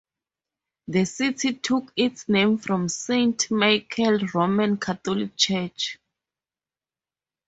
The city took its name from Saint Michael Roman Catholic Church.